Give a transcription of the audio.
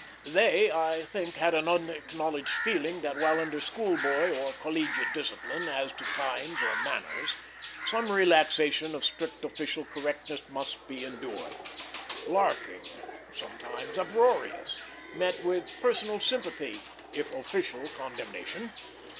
They, I think, had an unacknowledged feeling that while under school boy, or collegiate, discipline as to times or manners, some relaxation of strict official correctness must be endured. Larking, sometimes uproarious, met with personal sympathy, if official condemnation.